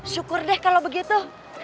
syukur deh kalau begitu